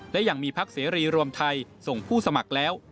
และยังมีพักเสรีรวมไทยส่งผู้สมัครแล้ว